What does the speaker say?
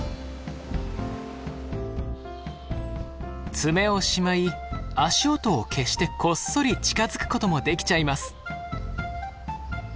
爪をしまい足音を消してこっそり近づくこともできちゃいます。